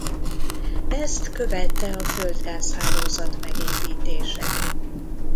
Ezt követte a földgáz hálózat megépítése.